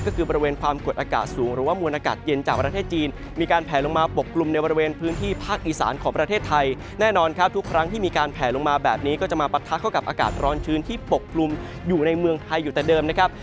ก็คือบริเวณความกดอากาศสูงหรือว่ามวลอากาศเย็นจากประเทศจีนมีการแผลลงมาปกกลุ่มในบริเวณพื้นที่ภาคอีสานของประเทศไทยแน่นอนครับทุกครั้งที่มีการแผลลงมาแบบนี้ก็จะมาปะทะเข้ากับอากาศร้อนชื้นที่ปกกลุ่มอยู่ในเมืองไทยอยู่แต่เดิมนะครับ